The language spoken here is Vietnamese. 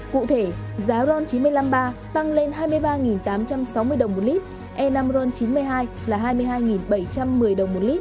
cụ thể giá ron chín mươi năm ba tăng lên hai mươi ba đồng